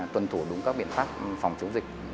tuân thủ đúng các biện pháp phòng chống dịch